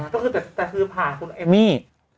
แต่คือผ่านคุณเอมมี่